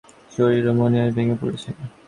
শরীরও মনে হয় ভেঙে পড়েছে।